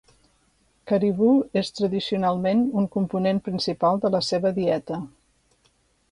Caribou és tradicionalment un component principal de la seva dieta.